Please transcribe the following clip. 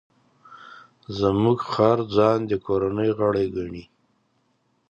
زموږ خر ځان د کورنۍ غړی ګڼي.